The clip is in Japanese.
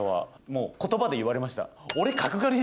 もう言葉で言われました。